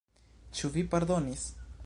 Ĉu vi pardonis?